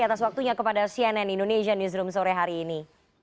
atas waktunya kepada cnn indonesia newsroom sore hari ini